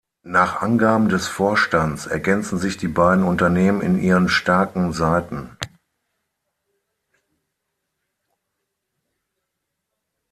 Nach Angaben des Vorstands ergänzen sich die beiden Unternehmen in ihren starken Seiten.